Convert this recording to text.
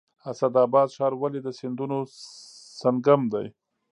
اسعد اباد ښار ولې د سیندونو سنگم دی؟